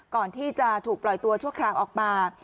ก่อนที่จะถูกปล่อยตัวชั่วคราวออกมา